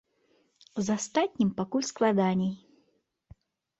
З астатнім пакуль складаней.